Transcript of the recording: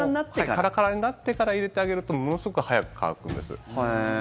カラカラになってから入れてあげるとものすごく早く乾くんです。